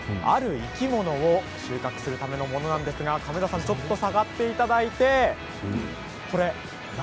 ある生き物を収穫するためのものなんですがカメラさん下がっていただけますか。